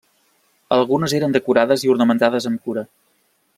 Algunes eren decorades i ornamentades amb cura.